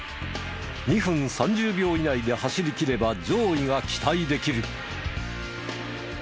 ２分３０秒以内で走りきれば上位が期待できる。